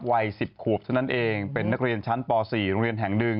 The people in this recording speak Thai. วัย๑๐ขวบเท่านั้นเองเป็นนักเรียนชั้นป๔โรงเรียนแห่งหนึ่ง